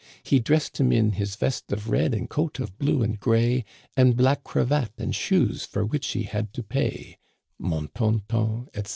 He dressed him in his vest of red and coat of blue and gray, And black cravat, and shoes for which he had to pay : Mon ton ton, etc.